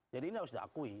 jadi ini harus diakui